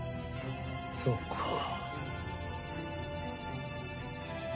そうか。